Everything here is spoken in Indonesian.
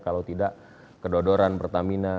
kalau tidak kedodoran pertamina